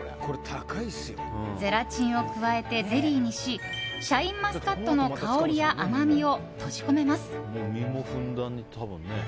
ゼラチンを加えてゼリーにしシャインマスカットの香りや甘みを閉じ込めます。